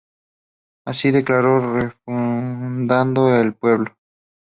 Así declaró refundado el pueblo.